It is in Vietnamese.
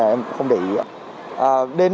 em cũng không để ý